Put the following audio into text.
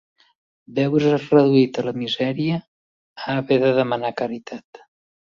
Veure's reduït a la misèria, a haver de demanar caritat.